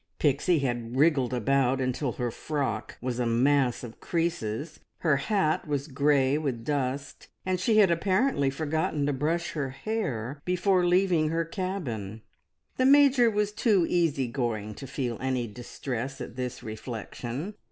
Pixie had wriggled about until her frock was a mass of creases, her hat was grey with dust, and she had apparently forgotten to brush her hair before leaving her cabin. The Major was too easy going to feel any distress at this reflection.